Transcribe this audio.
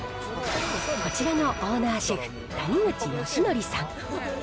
こちらのオーナーシェフ、谷口佳典さん。